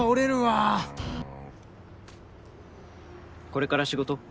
これから仕事？